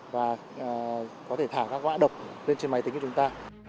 và có thể thả các mã độc lên trên máy tính của chúng ta